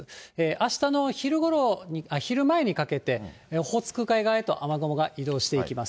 あしたの昼前にかけて、オホーツク海側へと雨雲が移動していきます。